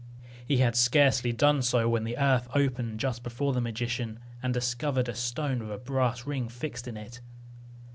He had scarcely done so when the earth opened just before the magician, and discovered a stone with a brass ring fixed in it.